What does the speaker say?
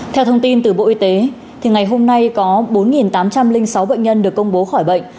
theo thông tin từ bộ y tế ngày hôm nay có bốn tám trăm linh sáu bệnh nhân được công bố khỏi bệnh